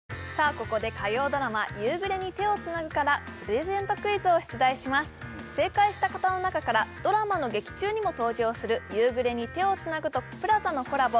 ここで火曜ドラマ「夕暮れに、手をつなぐ」からプレゼントクイズを出題します正解した方の中からドラマの劇中にも登場する「夕暮れに、手をつなぐ」とＰＬＡＺＡのコラボ